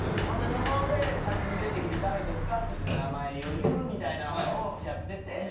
ほんでそこで勝手に出てきて「誰ですか？」っつって名前を言うみたいなのをやってて。